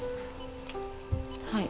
はい。